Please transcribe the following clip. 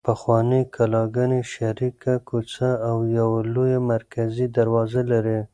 پخوانۍ کلاګانې شریکه کوڅه او یوه لویه مرکزي دروازه لري.